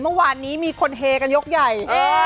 เมื่อวานนี้มีคนเฮกันยกใหญ่